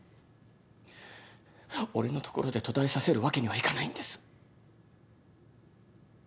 俺のところで途絶えさせるわけにはいかないんです。